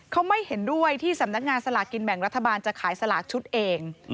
เขาไม่เห็นด้วยที่สำนักงานสลากกินแบ่งรัฐบาลจะขายสลากชุดเอง